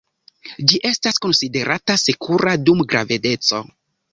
Ĝi estas konsiderata sekura dum gravedeco.